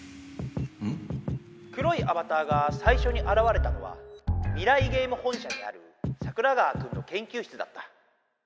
黒いアバターがさいしょにあらわれたのは未来ゲーム本社にある桜川くんの研究室だった。